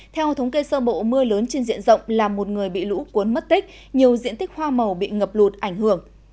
theo thống kê sơ bộ mưa lớn trên diện rộng là một người bị lũ cuốn mất tích nhiều diện tích hoa màu bị ngập lụt ảnh hưởng